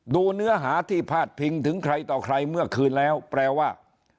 เนื้อหาที่พาดพิงถึงใครต่อใครเมื่อคืนแล้วแปลว่า